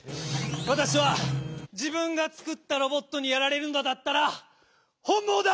わたしはじぶんがつくったロボットにやられるのだったら本もうだ！